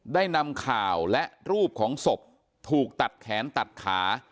ได้นำข่าวและรูปของศพถูกตัดแขนตัดขา